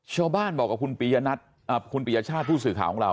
ชาวบ้านบอกกับคุณปียนัทคุณปียชาติผู้สื่อข่าวของเรา